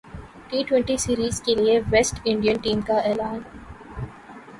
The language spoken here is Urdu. ٹی ٹوئنٹی سیریز کیلئے ویسٹ انڈین ٹیم کااعلان